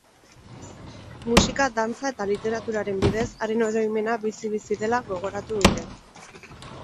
Musika, dantza eta literaturaren bidez haren oroimena bizi-bizi dela gogoratu dute.